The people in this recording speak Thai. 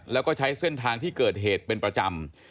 แล้วก็ใช้เส้นทางที่เกิดเหตุเป็นประจำ